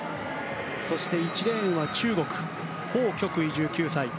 そして１レーンは中国ホウ・キョクイ、１９歳。